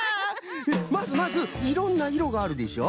まずまず「いろんないろがある」でしょ。